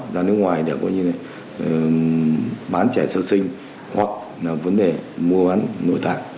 giá nước ngoài để bán trẻ sơ sinh hoặc vấn đề mua bán nội tạng